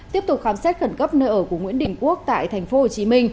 tiếp tục khám xét khẩn cấp nơi ở của nguyễn đình quốc tại tp hcm